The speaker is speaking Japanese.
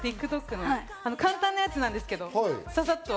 ＴｉｋＴｏｋの簡単なやつですけど、ササッと。